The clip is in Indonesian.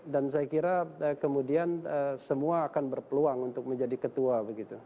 dan saya kira kemudian semua akan berpeluang untuk menjadi ketua begitu